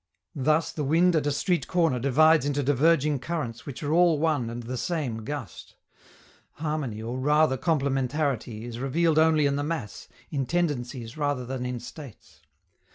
Thus the wind at a street corner divides into diverging currents which are all one and the same gust. Harmony, or rather "complementarity," is revealed only in the mass, in tendencies rather than in states.